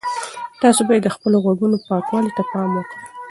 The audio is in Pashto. تاسي باید د خپلو غوږونو پاکوالي ته پام وکړئ.